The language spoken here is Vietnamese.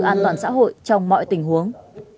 an toàn xã hội trong mọi tình huống